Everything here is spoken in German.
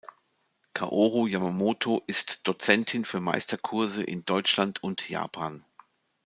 Kaoru Yamamoto ist Dozentin für Meisterkurse in Deutschland und Japan.